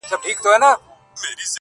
دا ستا خبري او ښكنځاوي گراني ,